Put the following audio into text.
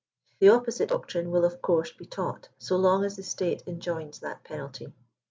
The opposite doctrine will of course be taught so long as the state enjoins that penalty.